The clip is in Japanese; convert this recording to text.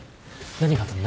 何があったの？